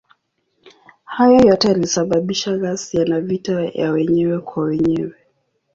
Hayo yote yalisababisha ghasia na vita ya wenyewe kwa wenyewe.